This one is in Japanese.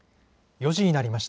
４時になりました。